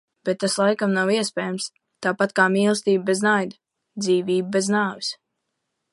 Bet tas laikam nav iespējams. Tāpat kā mīlestība bez naida. Dzīvība bez nāves.